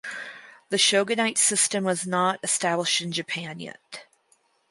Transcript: The shogunate system was not established in Japan yet.